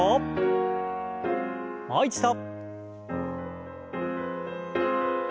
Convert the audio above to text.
もう一度。